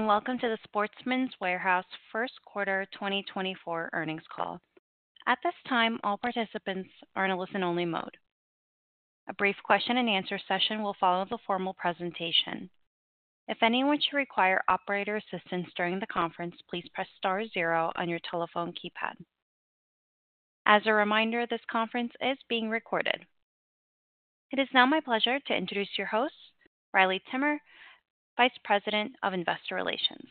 Welcome to the Sportsman's Warehouse first quarter 2024 earnings call. At this time, all participants are in a listen-only mode. A brief question and answer session will follow the formal presentation. If anyone should require operator assistance during the conference, please press star zero on your telephone keypad. As a reminder, this conference is being recorded. It is now my pleasure to introduce your host, Riley Timmer, Vice President of Investor Relations.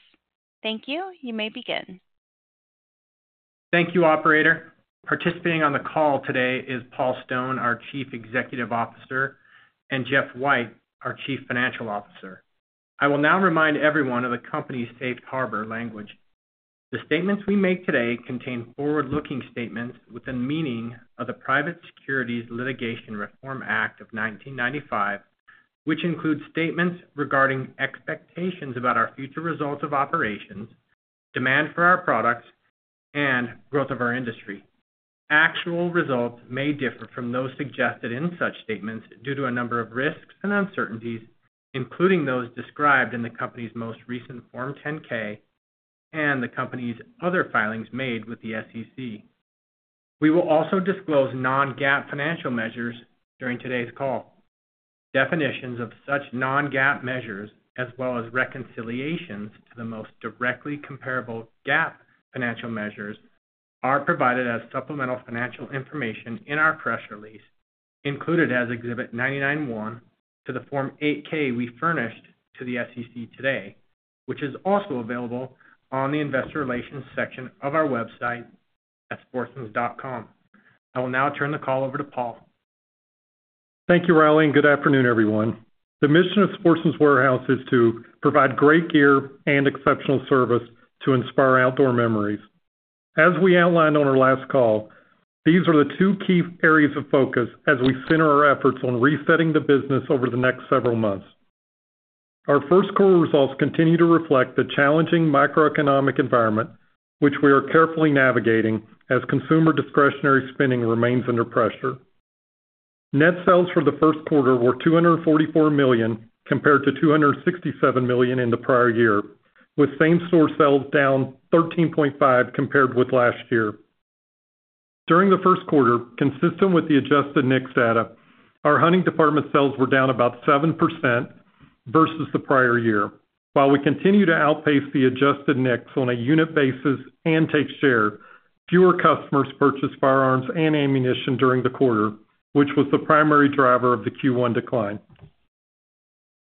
Thank you. You may begin. Thank you, operator. Participating on the call today is Paul Stone, our Chief Executive Officer, and Jeff White, our Chief Financial Officer. I will now remind everyone of the company's safe harbor language. The statements we make today contain forward-looking statements within meaning of the Private Securities Litigation Reform Act of 1995, which includes statements regarding expectations about our future results of operations, demand for our products, and growth of our industry. Actual results may differ from those suggested in such statements due to a number of risks and uncertainties, including those described in the company's most recent Form 10-K and the company's other filings made with the SEC. We will also disclose non-GAAP financial measures during today's call. Definitions of such non-GAAP measures, as well as reconciliations to the most directly comparable GAAP financial measures, are provided as supplemental financial information in our press release, included as Exhibit 99-1 to the Form 8-K we furnished to the SEC today, which is also available on the investor relations section of our website at sportsmans.com. I will now turn the call over to Paul. Thank you, Riley, and good afternoon, everyone. The mission of Sportsman's Warehouse is to provide great gear and exceptional service to inspire outdoor memories. As we outlined on our last call, these are the two key areas of focus as we center our efforts on resetting the business over the next several months. Our first quarter results continue to reflect the challenging macroeconomic environment, which we are carefully navigating as consumer discretionary spending remains under pressure. Net sales for the first quarter were $244 million, compared to $267 million in the prior year, with same-store sales down 13.5% compared with last year. During the first quarter, consistent with the adjusted NICS data, our hunting department sales were down about 7% versus the prior year. While we continue to outpace the adjusted NICS on a unit basis and take share, fewer customers purchased firearms and ammunition during the quarter, which was the primary driver of the Q1 decline.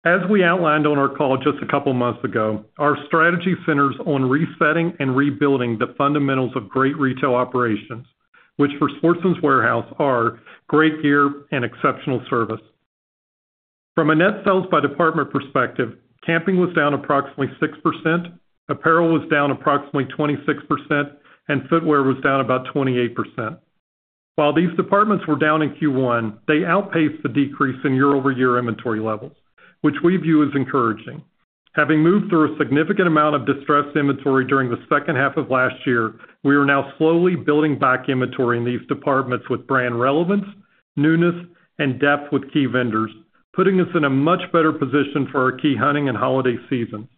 As we outlined on our call just a couple of months ago, our strategy centers on resetting and rebuilding the fundamentals of great retail operations, which for Sportsman's Warehouse are great gear and exceptional service. From a net sales by department perspective, camping was down approximately 6%, apparel was down approximately 26%, and footwear was down about 28%. While these departments were down in Q1, they outpaced the decrease in year-over-year inventory levels, which we view as encouraging. Having moved through a significant amount of distressed inventory during the second half of last year, we are now slowly building back inventory in these departments with brand relevance, newness, and depth with key vendors, putting us in a much better position for our key hunting and holiday seasons.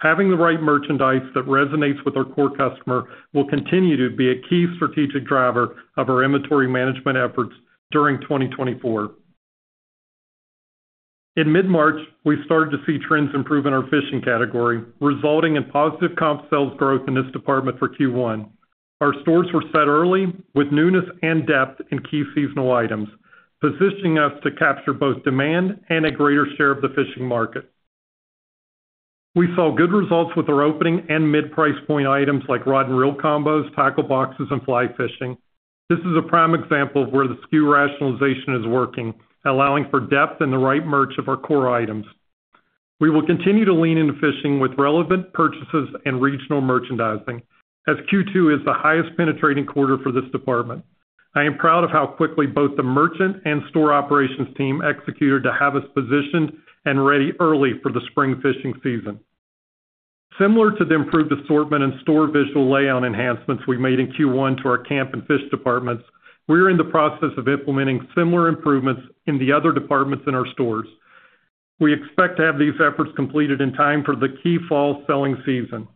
Having the right merchandise that resonates with our core customer will continue to be a key strategic driver of our inventory management efforts during 2024. In mid-March, we started to see trends improve in our fishing category, resulting in positive comp sales growth in this department for Q1. Our stores were set early with newness and depth in key seasonal items, positioning us to capture both demand and a greater share of the fishing market. We saw good results with our opening and mid-price point items like rod and reel combos, tackle boxes, and fly fishing. This is a prime example of where the SKU rationalization is working, allowing for depth in the right merch of our core items. We will continue to lean into fishing with relevant purchases and regional merchandising, as Q2 is the highest penetrating quarter for this department. I am proud of how quickly both the merchant and store operations team executed to have us positioned and ready early for the spring fishing season. Similar to the improved assortment and store visual layout enhancements we made in Q1 to our camp and fish departments, we are in the process of implementing similar improvements in the other departments in our stores. We expect to have these efforts completed in time for the key fall selling season.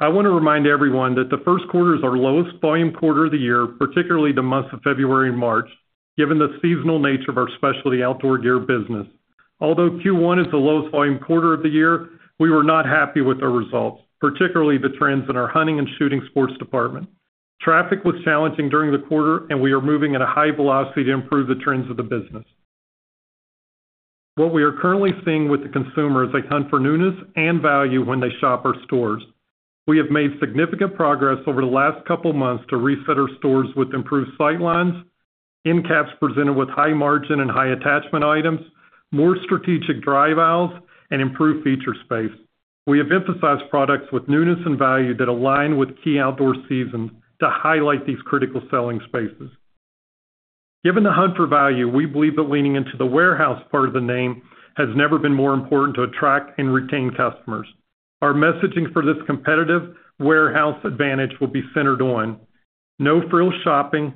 I want to remind everyone that the first quarter is our lowest volume quarter of the year, particularly the months of February and March, given the seasonal nature of our specialty outdoor gear business. Although Q1 is the lowest volume quarter of the year, we were not happy with the results, particularly the trends in our hunting and shooting sports department. Traffic was challenging during the quarter, and we are moving at a high velocity to improve the trends of the business. What we are currently seeing with the consumer is they hunt for newness and value when they shop our stores. We have made significant progress over the last couple of months to reset our stores with improved sight lines, end caps presented with high margin and high attachment items, more strategic drive aisles, and improved feature space. We have emphasized products with newness and value that align with key outdoor seasons to highlight these critical selling spaces. Given the hunt for value, we believe that leaning into the warehouse part of the name has never been more important to attract and retain customers. Our messaging for this competitive warehouse advantage will be centered on no-frills shopping...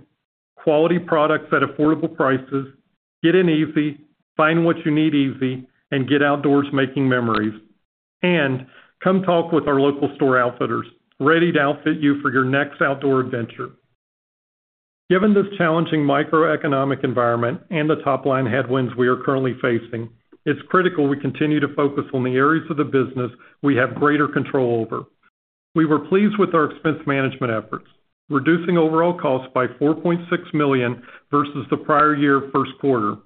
quality products at affordable prices, get in easy, find what you need easy, and get outdoors making memories. And come talk with our local store outfitters, ready to outfit you for your next outdoor adventure. Given this challenging macroeconomic environment and the top-line headwinds we are currently facing, it's critical we continue to focus on the areas of the business we have greater control over. We were pleased with our expense management efforts, reducing overall costs by $4.6 million versus the prior year first quarter.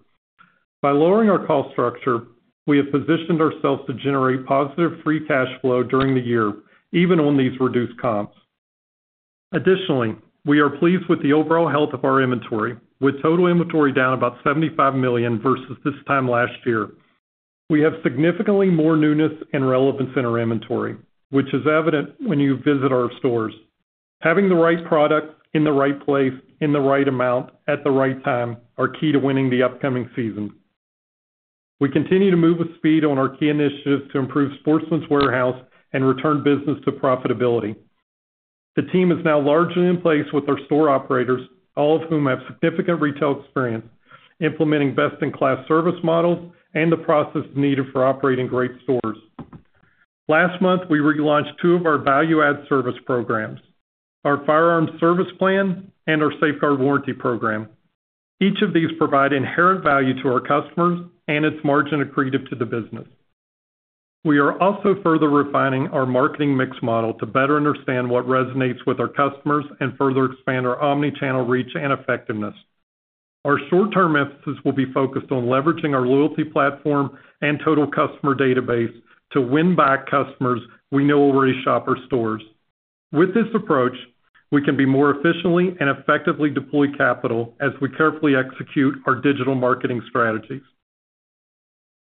By lowering our cost structure, we have positioned ourselves to generate positive free cash flow during the year, even on these reduced comps. Additionally, we are pleased with the overall health of our inventory, with total inventory down about $75 million versus this time last year. We have significantly more newness and relevance in our inventory, which is evident when you visit our stores. Having the right product in the right place, in the right amount, at the right time, are key to winning the upcoming season. We continue to move with speed on our key initiatives to improve Sportsman's Warehouse and return business to profitability. The team is now largely in place with our store operators, all of whom have significant retail experience, implementing best-in-class service models and the processes needed for operating great stores. Last month, we relaunched two of our value-add service programs, our Firearms Service Plan and our Safeguard warranty program. Each of these provide inherent value to our customers, and it's margin accretive to the business. We are also further refining our marketing mix model to better understand what resonates with our customers and further expand our omni-channel reach and effectiveness. Our short-term emphasis will be focused on leveraging our loyalty platform and total customer database to win back customers we know already shop our stores. With this approach, we can be more efficiently and effectively deploy capital as we carefully execute our digital marketing strategies.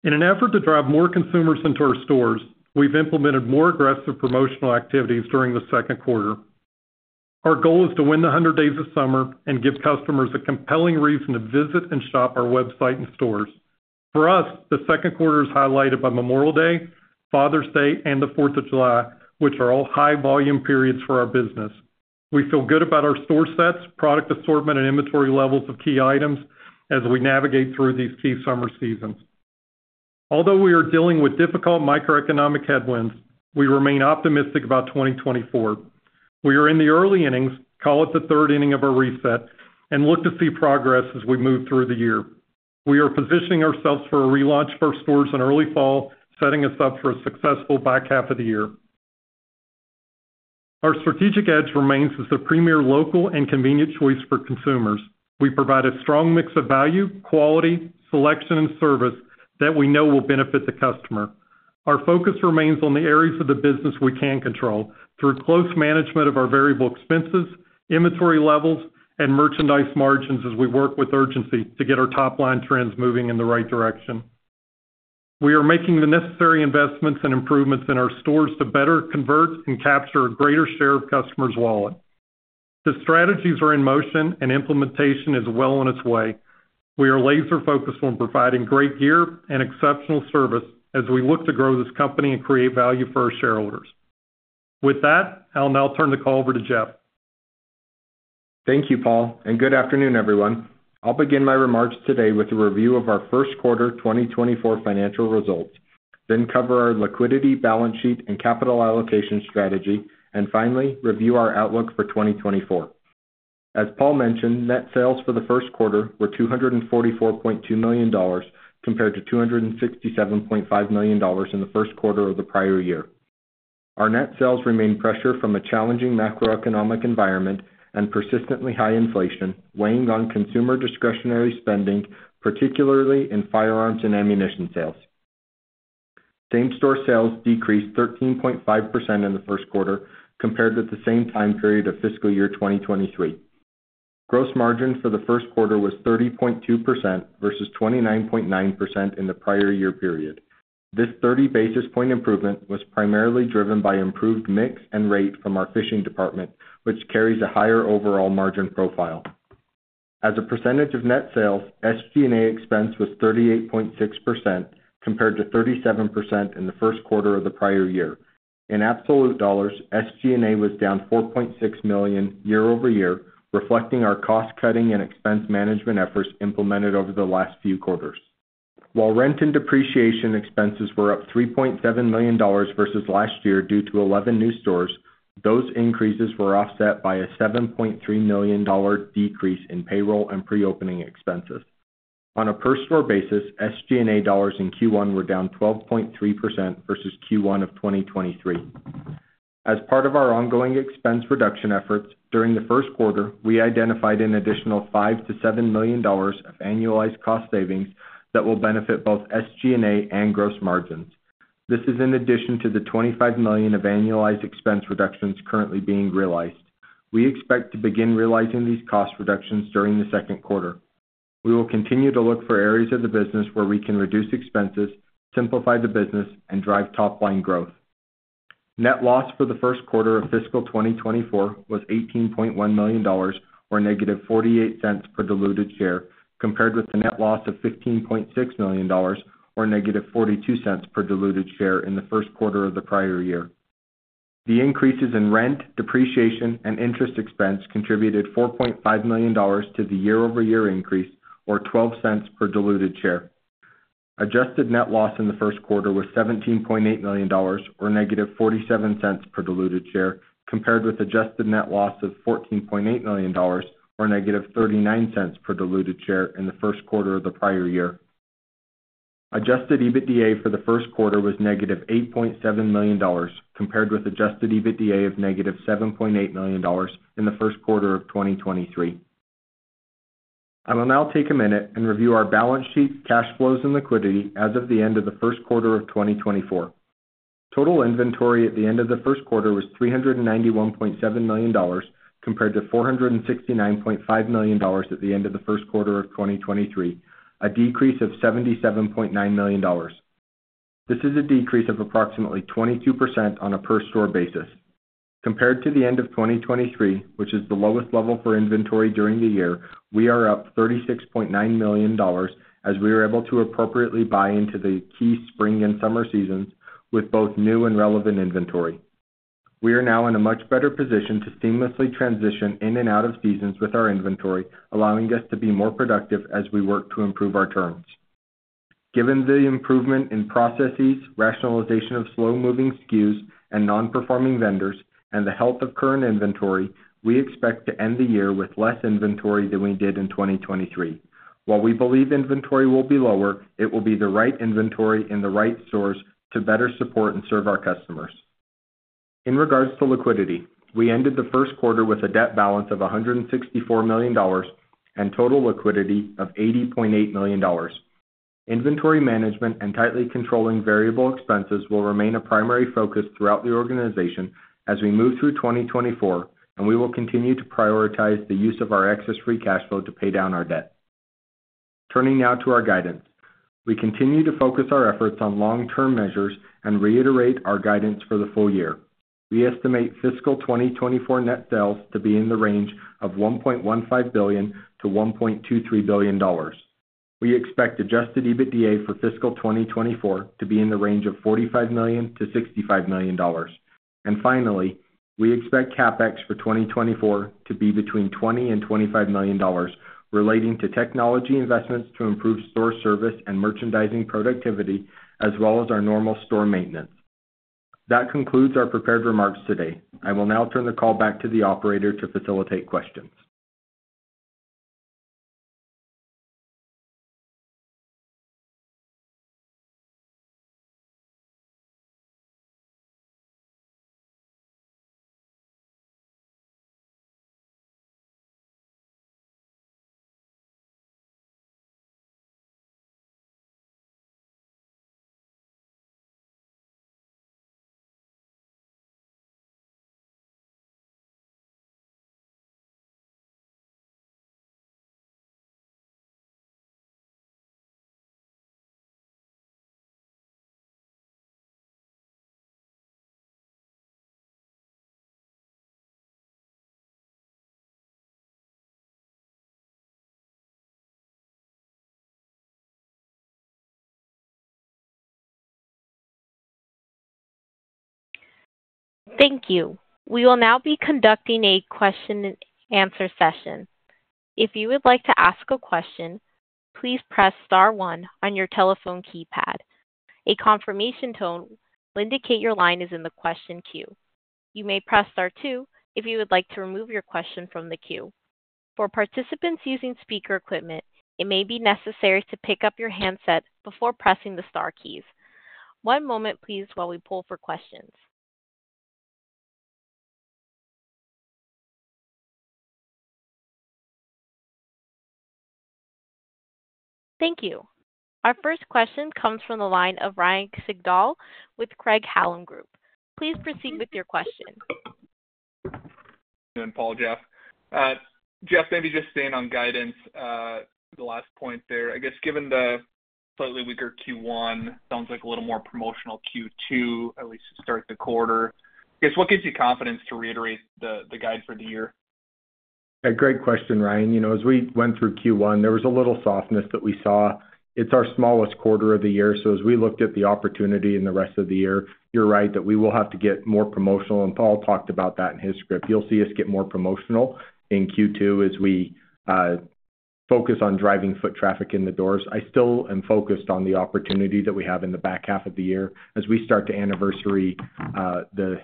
In an effort to drive more consumers into our stores, we've implemented more aggressive promotional activities during the second quarter. Our goal is to win the 100 Days of Summer and give customers a compelling reason to visit and shop our website and stores. For us, the second quarter is highlighted by Memorial Day, Father's Day, and the Fourth of July, which are all high-volume periods for our business. We feel good about our store sets, product assortment, and inventory levels of key items as we navigate through these key summer seasons. Although we are dealing with difficult macroeconomic headwinds, we remain optimistic about 2024. We are in the early innings, call it the third inning of our reset, and look to see progress as we move through the year. We are positioning ourselves for a relaunch for our stores in early fall, setting us up for a successful back half of the year. Our strategic edge remains as the premier, local, and convenient choice for consumers. We provide a strong mix of value, quality, selection, and service that we know will benefit the customer. Our focus remains on the areas of the business we can control, through close management of our variable expenses, inventory levels, and merchandise margins as we work with urgency to get our top-line trends moving in the right direction. We are making the necessary investments and improvements in our stores to better convert and capture a greater share of customers' wallet. The strategies are in motion, and implementation is well on its way. We are laser-focused on providing great gear and exceptional service as we look to grow this company and create value for our shareholders. With that, I'll now turn the call over to Jeff. Thank you, Paul, and good afternoon, everyone. I'll begin my remarks today with a review of our first quarter 2024 financial results, then cover our liquidity, balance sheet, and capital allocation strategy, and finally, review our outlook for 2024. As Paul mentioned, net sales for the first quarter were $244.2 million, compared to $267.5 million in the first quarter of the prior year. Our net sales remain pressured from a challenging macroeconomic environment and persistently high inflation, weighing on consumer discretionary spending, particularly in firearms and ammunition sales. Same-store sales decreased 13.5% in the first quarter, compared with the same time period of fiscal year 2023. Gross margin for the first quarter was 30.2% versus 29.9% in the prior year period. This 30 basis point improvement was primarily driven by improved mix and rate from our fishing department, which carries a higher overall margin profile. As a percentage of net sales, SG&A expense was 38.6%, compared to 37% in the first quarter of the prior year. In absolute dollars, SG&A was down $4.6 million year-over-year, reflecting our cost-cutting and expense management efforts implemented over the last few quarters. While rent and depreciation expenses were up $3.7 million versus last year due to 11 new stores, those increases were offset by a $7.3 million decrease in payroll and pre-opening expenses. On a per store basis, SG&A dollars in Q1 were down 12.3% versus Q1 of 2023. As part of our ongoing expense reduction efforts, during the first quarter, we identified an additional $5 million-$7 million of annualized cost savings that will benefit both SG&A and gross margins. This is in addition to the $25 million of annualized expense reductions currently being realized. We expect to begin realizing these cost reductions during the second quarter. We will continue to look for areas of the business where we can reduce expenses, simplify the business, and drive top-line growth. Net loss for the first quarter of fiscal 2024 was $18.1 million, or -$0.48 per diluted share, compared with the net loss of $15.6 million or -$0.42 per diluted share in the first quarter of the prior year. The increases in rent, depreciation, and interest expense contributed $4.5 million to the year-over-year increase, or $0.12 per diluted share. Adjusted net loss in the first quarter was $17.8 million, or -$0.47 per diluted share, compared with adjusted net loss of $14.8 million or -$0.39 per diluted share in the first quarter of the prior year. Adjusted EBITDA for the first quarter was -$8.7 million, compared with adjusted EBITDA of -$7.8 million in the first quarter of 2023. I will now take a minute and review our balance sheet, cash flows, and liquidity as of the end of the first quarter of 2024. Total inventory at the end of the first quarter was $391.7 million, compared to $469.5 million at the end of the first quarter of 2023, a decrease of $77.9 million. This is a decrease of approximately 22% on a per store basis. Compared to the end of 2023, which is the lowest level for inventory during the year, we are up $36.9 million, as we are able to appropriately buy into the key spring and summer seasons with both new and relevant inventory. We are now in a much better position to seamlessly transition in and out of seasons with our inventory, allowing us to be more productive as we work to improve our terms. Given the improvement in processes, rationalization of slow-moving SKUs and non-performing vendors, and the health of current inventory, we expect to end the year with less inventory than we did in 2023. While we believe inventory will be lower, it will be the right inventory and the right source to better support and serve our customers. In regards to liquidity, we ended the first quarter with a debt balance of $164 million and total liquidity of $80.8 million. Inventory management and tightly controlling variable expenses will remain a primary focus throughout the organization as we move through 2024, and we will continue to prioritize the use of our excess free cash flow to pay down our debt. Turning now to our guidance. We continue to focus our efforts on long-term measures and reiterate our guidance for the full year. We estimate fiscal 2024 net sales to be in the range of $1.15 billion-$1.23 billion. We expect Adjusted EBITDA for fiscal 2024 to be in the range of $45 million-$65 million. And finally, we expect CapEx for 2024 to be between $20 million and $25 million, relating to technology investments to improve store service and merchandising productivity, as well as our normal store maintenance. That concludes our prepared remarks today. I will now turn the call back to the operator to facilitate questions. Thank you. We will now be conducting a question and answer session. If you would like to ask a question, please press star one on your telephone keypad. A confirmation tone will indicate your line is in the question queue. You may press star two if you would like to remove your question from the queue. For participants using speaker equipment, it may be necessary to pick up your handset before pressing the star keys. One moment, please, while we pull for questions. Thank you. Our first question comes from the line of Ryan Sigdahl with Craig-Hallum Capital Group. Please proceed with your question. Paul, Jeff. Jeff, maybe just staying on guidance, the last point there. I guess, given the slightly weaker Q1, sounds like a little more promotional Q2, at least to start the quarter. I guess, what gives you confidence to reiterate the guide for the year? A great question, Ryan. You know, as we went through Q1, there was a little softness that we saw. It's our smallest quarter of the year, so as we looked at the opportunity in the rest of the year, you're right that we will have to get more promotional, and Paul talked about that in his script. You'll see us get more promotional in Q2 as we focus on driving foot traffic in the doors. I still am focused on the opportunity that we have in the back half of the year. As we start to anniversary the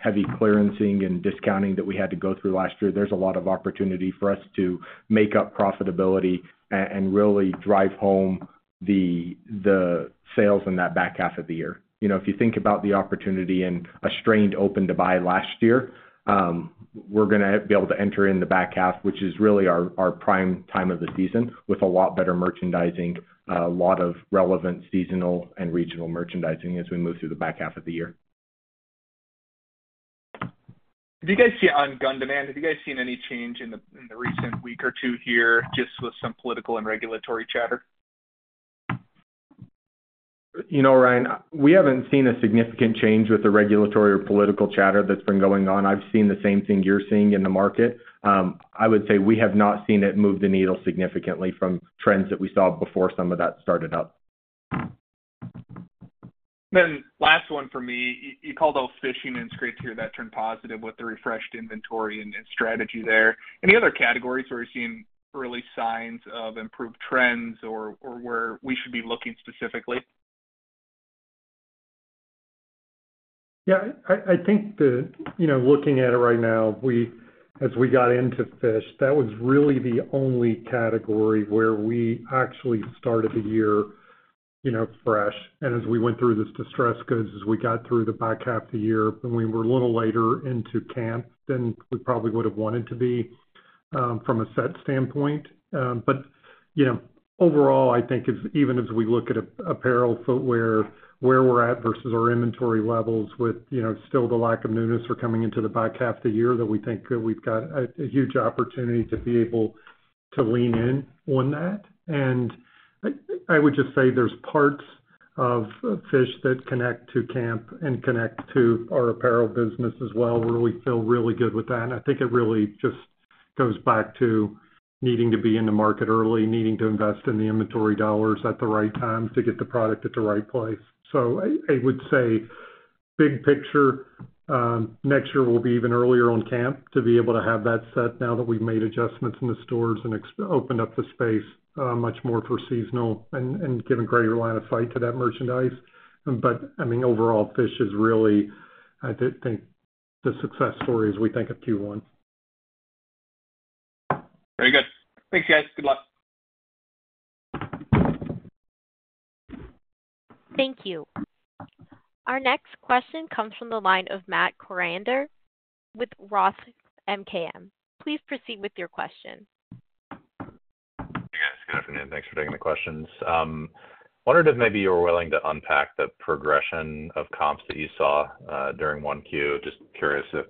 heavy clearancing and discounting that we had to go through last year, there's a lot of opportunity for us to make up profitability and really drive home the sales in that back half of the year. You know, if you think about the opportunity and a strained open to buy last year, we're gonna be able to enter in the back half, which is really our prime time of the season, with a lot better merchandising, a lot of relevant seasonal and regional merchandising as we move through the back half of the year. Do you guys see... On gun demand, have you guys seen any change in the, in the recent week or two here, just with some political and regulatory chatter? You know, Ryan, we haven't seen a significant change with the regulatory or political chatter that's been going on. I've seen the same thing you're seeing in the market. I would say we have not seen it move the needle significantly from trends that we saw before some of that started up. Then last one for me. You called out fishing, and it's great to hear that turned positive with the refreshed inventory and strategy there. Any other categories where you're seeing early signs of improved trends or where we should be looking specifically? Yeah, I think that, you know, looking at it right now, we as we got into fish, that was really the only category where we actually started the year, you know, fresh. And as we went through this distressed goods, as we got through the back half of the year, and we were a little later into camp than we probably would have wanted to be, from a set standpoint. But, you know, overall, I think as even as we look at apparel, footwear, where we're at versus our inventory levels with, you know, still the lack of newness, we're coming into the back half of the year, that we think that we've got a huge opportunity to be able to lean in on that. I would just say there's parts of fish that connect to camp and connect to our apparel business as well, where we feel really good with that. I think it really just goes back to needing to be in the market early, needing to invest in the inventory dollars at the right time to get the product at the right place. So I would say, big picture, next year will be even earlier on camp to be able to have that set now that we've made adjustments in the stores and expanded the space much more for seasonal and give a greater line of sight to that merchandise. But I mean, overall, fish is really, I think, the success story as we think of Q1. Very good. Thanks, guys. Good luck. Thank you. Our next question comes from the line of Matthew Koranda with Roth MKM. Please proceed with your question. Hey, guys. Good afternoon. Thanks for taking the questions. Wondered if maybe you were willing to unpack the progression of comps that you saw during 1Q. Just curious if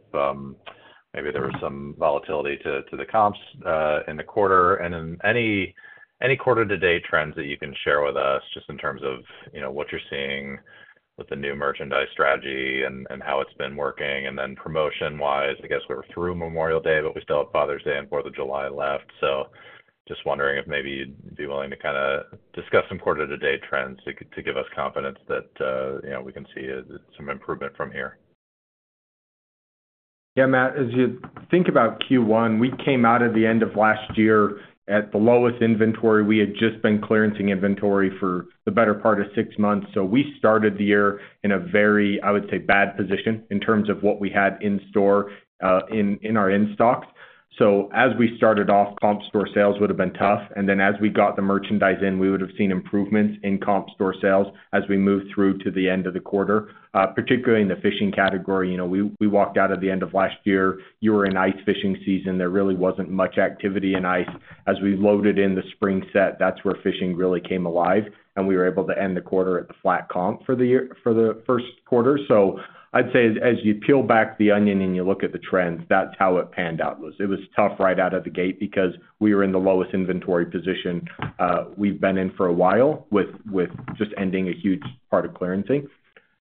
maybe there was some volatility to the comps in the quarter, and then any quarter-to-date trends that you can share with us, just in terms of, you know, what you're seeing with the new merchandise strategy and how it's been working. And then promotion-wise, I guess we're through Memorial Day, but we still have Father's Day and Fourth of July left. So just wondering if maybe you'd be willing to kinda discuss some quarter-to-date trends to give us confidence that, you know, we can see some improvement from here. Yeah, Matt, as you think about Q1, we came out at the end of last year at the lowest inventory. We had just been clearancing inventory for the better part of six months. So we started the year in a very, I would say, bad position in terms of what we had in store in our in-stocks. So as we started off, comp store sales would have been tough, and then as we got the merchandise in, we would have seen improvements in comp store sales as we moved through to the end of the quarter. Particularly in the fishing category, you know, we walked out at the end of last year, you were in ice fishing season. There really wasn't much activity in ice. As we loaded in the spring set, that's where fishing really came alive, and we were able to end the quarter at the flat comp for the year, for the first quarter. So I'd say, as you peel back the onion and you look at the trends, that's how it panned out. It was tough right out of the gate because we were in the lowest inventory position we've been in for a while, with just ending a huge part of clearancing.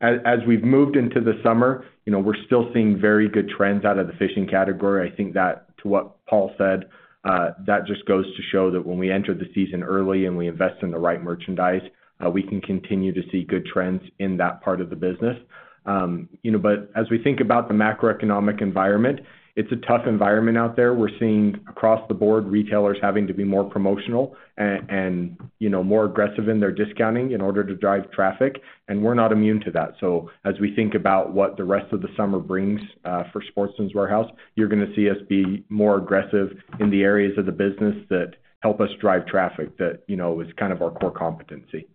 As we've moved into the summer, you know, we're still seeing very good trends out of the fishing category. I think that, to what Paul said, that just goes to show that when we enter the season early and we invest in the right merchandise, we can continue to see good trends in that part of the business. You know, but as we think about the macroeconomic environment, it's a tough environment out there. We're seeing across the board, retailers having to be more promotional and, you know, more aggressive in their discounting in order to drive traffic, and we're not immune to that. So as we think about what the rest of the summer brings, for Sportsman's Warehouse, you're gonna see us be more aggressive in the areas of the business that help us drive traffic, that, you know, is kind of our core competency.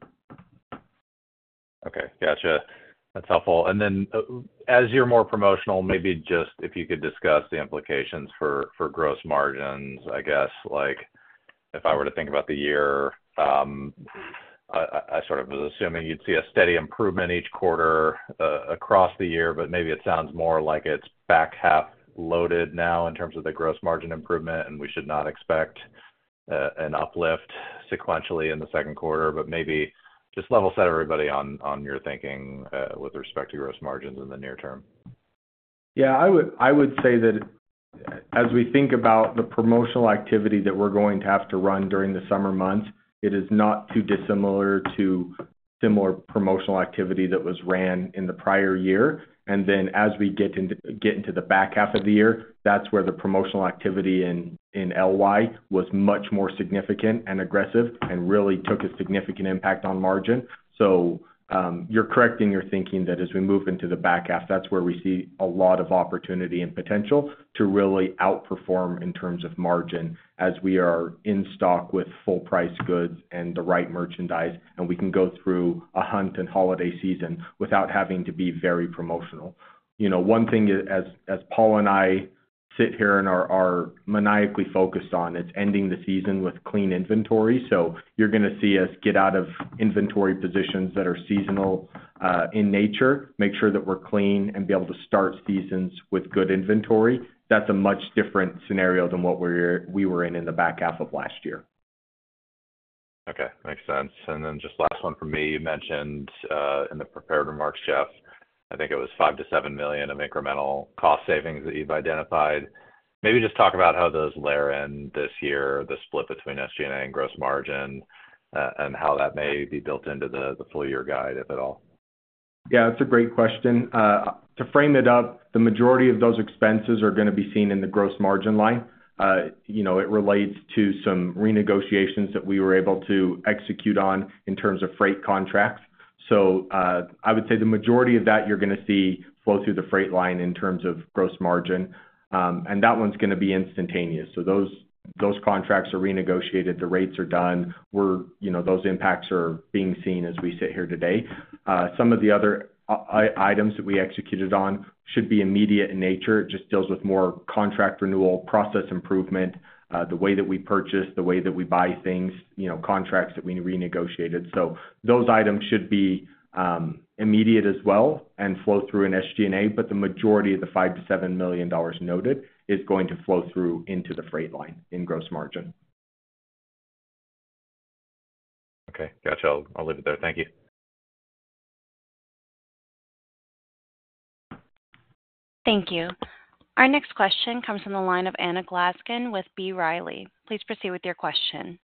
Okay, gotcha. That's helpful. And then, as you're more promotional, maybe just if you could discuss the implications for, for gross margins. I guess, like, if I were to think about the year, I sort of was assuming you'd see a steady improvement each quarter, across the year, but maybe it sounds more like it's back half loaded now in terms of the gross margin improvement, and we should not expect, an uplift sequentially in the second quarter, but maybe just level set everybody on, on your thinking, with respect to gross margins in the near term. Yeah, I would, I would say that as we think about the promotional activity that we're going to have to run during the summer months, it is not too dissimilar to similar promotional activity that was ran in the prior year. And then as we get into the back half of the year, that's where the promotional activity in LY was much more significant and aggressive and really took a significant impact on margin. So, you're correcting your thinking that as we move into the back half, that's where we see a lot of opportunity and potential to really outperform in terms of margin as we are in stock with full price goods and the right merchandise, and we can go through a hunt and holiday season without having to be very promotional. You know, one thing as Paul and I sit here and are maniacally focused on, it's ending the season with clean inventory. So you're gonna see us get out of inventory positions that are seasonal, in nature, make sure that we're clean, and be able to start seasons with good inventory. That's a much different scenario than what we were in, in the back half of last year. Okay, makes sense. And then just last one for me. You mentioned in the prepared remarks, I think it was $5 million-$7 million of incremental cost savings that you've identified. Maybe just talk about how those layer in this year, the split between SG&A and gross margin, and how that may be built into the full year guide, if at all. Yeah, that's a great question. To frame it up, the majority of those expenses are gonna be seen in the gross margin line. You know, it relates to some renegotiations that we were able to execute on in terms of freight contracts. So, I would say the majority of that, you're gonna see flow through the freight line in terms of gross margin, and that one's gonna be instantaneous. So those, those contracts are renegotiated, the rates are done. We're, you know, those impacts are being seen as we sit here today. Some of the other items that we executed on should be immediate in nature. It just deals with more contract renewal, process improvement, the way that we purchase, the way that we buy things, you know, contracts that we renegotiated. Those items should be immediate as well and flow through in SG&A, but the majority of the $5 million-$7 million noted is going to flow through into the freight line in gross margin. Okay, gotcha. I'll leave it there. Thank you. Thank you. Our next question comes from the line of Anna Glaessgen with B. Riley. Please proceed with your question.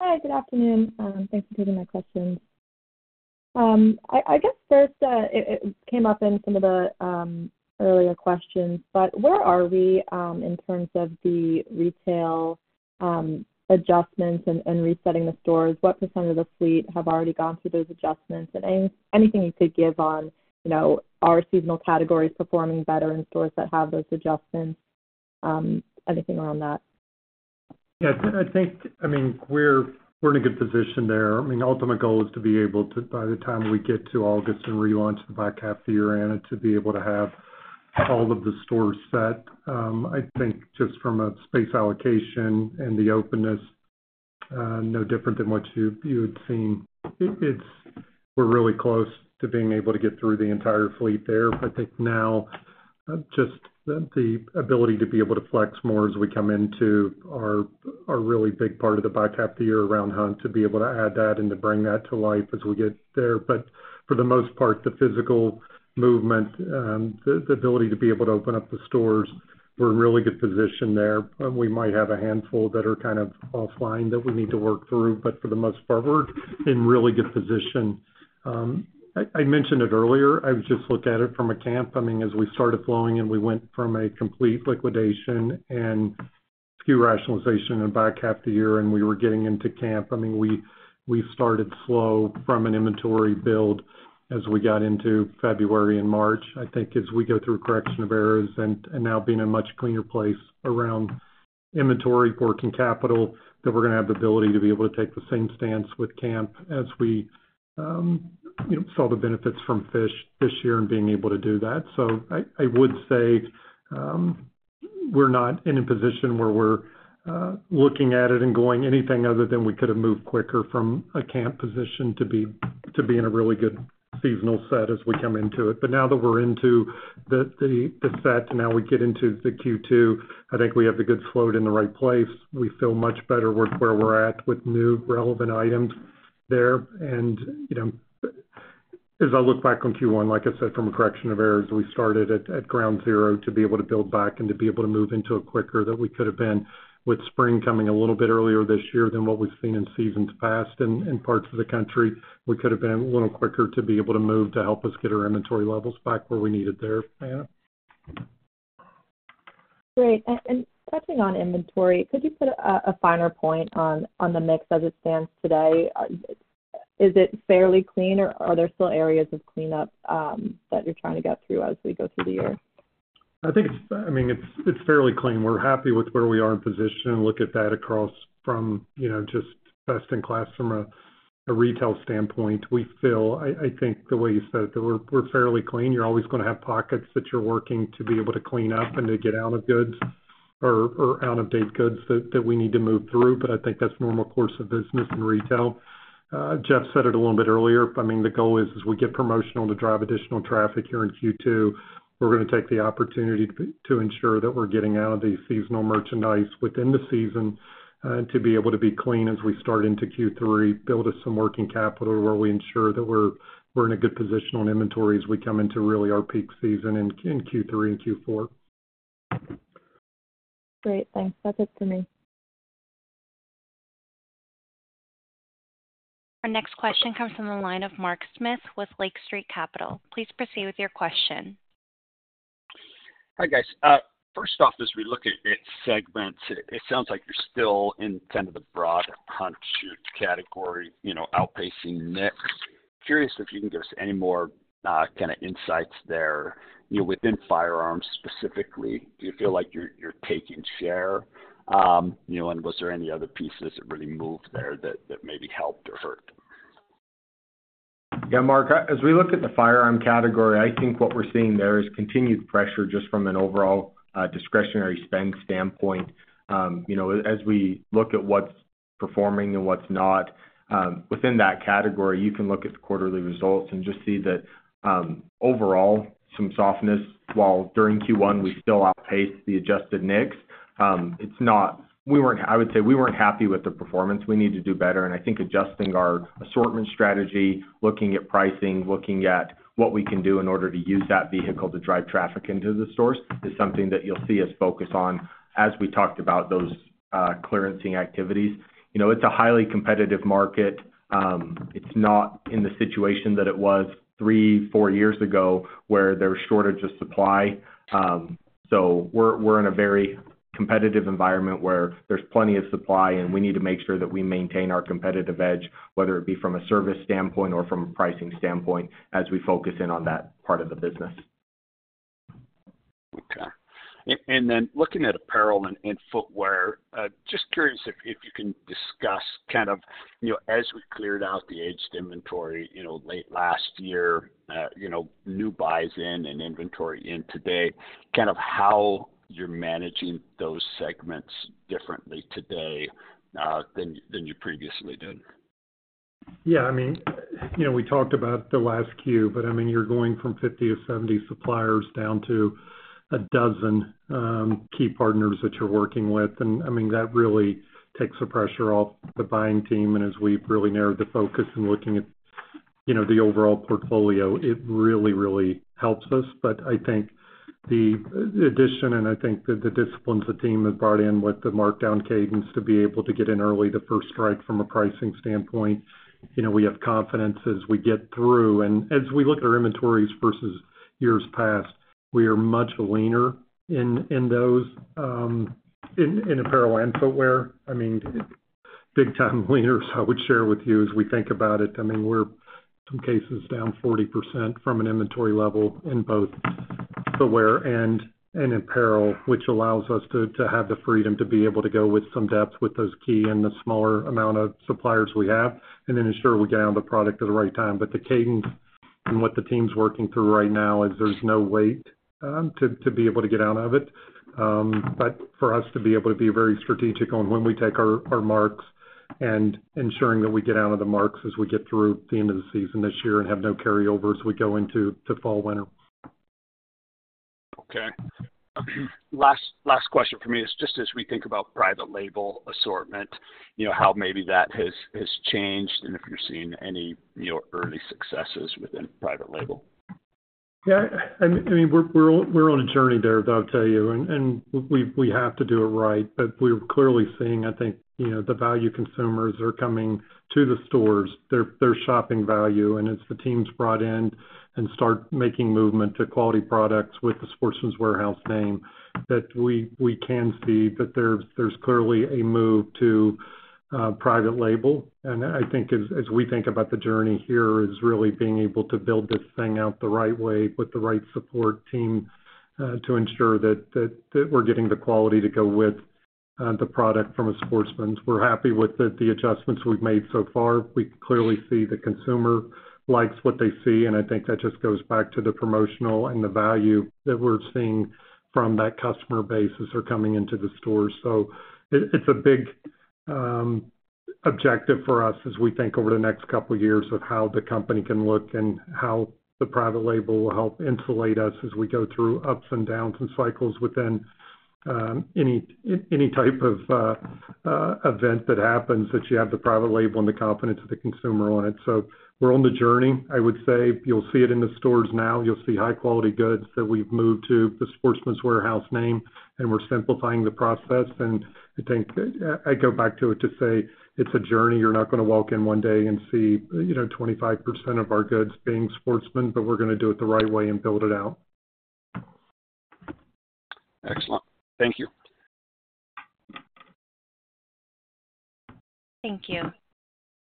Hi, good afternoon. Thanks for taking my questions. I guess, first, it came up in some of the earlier questions, but where are we in terms of the retail adjustments and resetting the stores? What percent of the fleet have already gone through those adjustments? And anything you could give on, you know, are seasonal categories performing better in stores that have those adjustments? Anything around that? Yeah, I think, I mean, we're in a good position there. I mean, the ultimate goal is to be able to, by the time we get to August and relaunch the back half of the year, Anna, to be able to have all of the stores set. I think just from a space allocation and the openness, no different than what you had seen. It's. We're really close to being able to get through the entire fleet there. I think now, just the ability to be able to flex more as we come into our really big part of the back half of the year around hunt, to be able to add that and to bring that to life as we get there. But for the most part, the physical movement, the ability to be able to open up the stores, we're in really good position there. We might have a handful that are kind of offline that we need to work through, but for the most part, we're in really good position. I mentioned it earlier, I would just look at it from a camp. I mean, as we started flowing in, we went from a complete liquidation and SKU rationalization in the back half of the year, and we were getting into camp. I mean, we started slow from an inventory build as we got into February and March. I think as we go through correction of errors and now being in a much cleaner place around inventory, working capital, that we're gonna have the ability to be able to take the same stance with camp as we, you know, saw the benefits from fish this year and being able to do that. So I would say, we're not in a position where we're looking at it and going anything other than we could have moved quicker from a camp position to be in a really good seasonal set as we come into it. But now that we're into the set, now we get into the Q2, I think we have the good float in the right place. We feel much better with where we're at, with new relevant items there. You know, as I look back on Q1, like I said, from a correction of errors, we started at ground zero to be able to build back and to be able to move into a quicker than we could have been. With spring coming a little bit earlier this year than what we've seen in seasons past in parts of the country, we could have been a little quicker to be able to move to help us get our inventory levels back where we need it there, Anna. Great. And touching on inventory, could you put a finer point on the mix as it stands today? Is it fairly clean, or are there still areas of cleanup that you're trying to get through as we go through the year? I think it's. I mean, it's, it's fairly clean. We're happy with where we are in position and look at that across from, you know, just best in class from a, a retail standpoint. We feel. I, I think the way you said it, that we're, we're fairly clean. You're always gonna have pockets that you're working to be able to clean up and to get out of goods or, or out-of-date goods that, that we need to move through, but I think that's normal course of business in retail. Jeff said it a little bit earlier. I mean, the goal is, as we get promotional to drive additional traffic here in Q2, we're gonna take the opportunity to ensure that we're getting out of the seasonal merchandise within the season, to be able to be clean as we start into Q3, build us some working capital where we ensure that we're in a good position on inventory as we come into really our peak season in Q3 and Q4. Great, thanks. That's it for me. Our next question comes from the line of Mark Smith with Lake Street Capital Markets. Please proceed with your question. Hi, guys. First off, as we look at segments, it sounds like you're still in kind of the broad hunt shoot category, you know, outpacing NICS. Curious if you can give us any more kind of insights there. You know, within firearms specifically, do you feel like you're taking share? You know, and was there any other pieces that really moved there that maybe helped or hurt? Yeah, Mark, as we look at the firearm category, I think what we're seeing there is continued pressure just from an overall, discretionary spend standpoint. You know, as we look at what's-... performing and what's not. Within that category, you can look at the quarterly results and just see that, overall, some softness, while during Q1, we still outpaced the adjusted NICS. It's not. I would say we weren't happy with the performance. We need to do better, and I think adjusting our assortment strategy, looking at pricing, looking at what we can do in order to use that vehicle to drive traffic into the stores, is something that you'll see us focus on as we talked about those clearance activities. You know, it's a highly competitive market. It's not in the situation that it was three, four years ago, where there was shortage of supply. So we're in a very competitive environment where there's plenty of supply, and we need to make sure that we maintain our competitive edge, whether it be from a service standpoint or from a pricing standpoint, as we focus in on that part of the business. Okay. And then looking at apparel and footwear, just curious if you can discuss kind of, you know, as we cleared out the aged inventory, you know, late last year, you know, new buys in and inventory in today, kind of how you're managing those segments differently today, than you previously did? Yeah, I mean, you know, we talked about the last Q, but I mean, you're going from 50 to 70 suppliers down to 12 key partners that you're working with. And I mean, that really takes the pressure off the buying team. And as we've really narrowed the focus in looking at, you know, the overall portfolio, it really, really helps us. But I think the addition, and I think the disciplines the team has brought in with the markdown cadence to be able to get in early, the first strike from a pricing standpoint, you know, we have confidence as we get through. And as we look at our inventories versus years past, we are much leaner in those in apparel and footwear. I mean, big time leaner, so I would share with you as we think about it, I mean, we're, in some cases, down 40% from an inventory level in both footwear and apparel, which allows us to, to have the freedom to be able to go with some depth with those key and the smaller amount of suppliers we have, and then ensure we get out the product at the right time. But the cadence and what the team's working through right now is there's no wait, to be able to get out of it. But for us to be able to be very strategic on when we take our, our marks and ensuring that we get out of the marks as we get through the end of the season this year and have no carryovers, we go into the fall/winter. Okay. Last, last question for me is just as we think about private label assortment, you know, how maybe that has, has changed and if you're seeing any, you know, early successes within private label? Yeah. I mean, we're on a journey there, I'll tell you, and we have to do it right. But we're clearly seeing, I think, you know, the value consumers are coming to the stores. They're shopping value, and as the team's brought in and start making movement to quality products with the Sportsman's Warehouse name, that we can see that there's clearly a move to private label. And I think as we think about the journey here, is really being able to build this thing out the right way with the right support team to ensure that we're getting the quality to go with the product from a Sportsman's. We're happy with the adjustments we've made so far. We clearly see the consumer likes what they see, and I think that just goes back to the promotional and the value that we're seeing from that customer base as they're coming into the store. So it's a big objective for us as we think over the next couple of years of how the company can look and how the private label will help insulate us as we go through ups and downs and cycles within any type of event that happens, that you have the private label and the confidence of the consumer on it. So we're on the journey. I would say you'll see it in the stores now. You'll see high-quality goods that we've moved to the Sportsman's Warehouse name, and we're simplifying the process. And I think I'd go back to it to say, it's a journey. You're not gonna walk in one day and see, you know, 25% of our goods being Sportsman's, but we're gonna do it the right way and build it out. Excellent. Thank you. Thank you.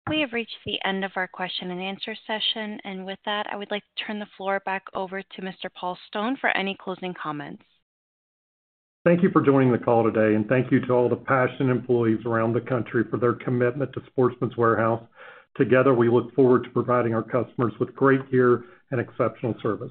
We have reached the end of our question and answer session. With that, I would like to turn the floor back over to Mr. Paul Stone for any closing comments. Thank you for joining the call today, and thank you to all the passionate employees around the country for their commitment to Sportsman's Warehouse. Together, we look forward to providing our customers with great gear and exceptional service.